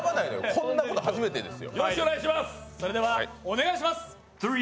こんなこと初めてですよ。